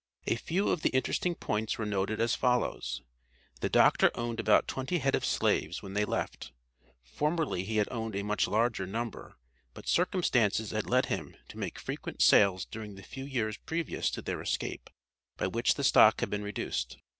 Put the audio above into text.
A few of the interesting points were noted as follows: The doctor owned about twenty head of slaves when they left; formerly he had owned a much larger number, but circumstances had led him to make frequent sales during the few years previous to their escape, by which the stock had been reduced.